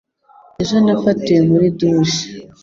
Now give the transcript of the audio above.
Ejo nafatiwe muri douche.